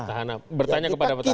petahana bertanya kepada petahana